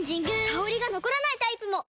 香りが残らないタイプも！